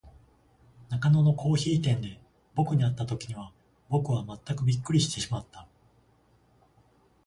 中野のコオヒイ店で、ぼくに会った時には、ぼくはまったくびっくりしてしまった。